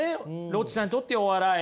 ロッチさんにとってお笑い。